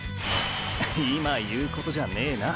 今言うことじゃねぇな。